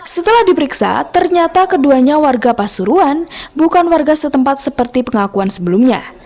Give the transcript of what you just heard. setelah diperiksa ternyata keduanya warga pasuruan bukan warga setempat seperti pengakuan sebelumnya